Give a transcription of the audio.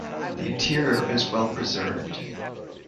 The interior is well preserved.